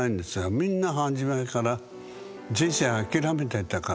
みんな初めから人生諦めてたから。